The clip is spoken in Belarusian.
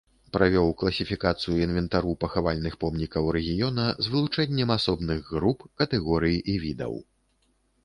Правёў класіфікацыю інвентару пахавальных помнікаў рэгіёна з вылучэннем асобных груп, катэгорый і відаў.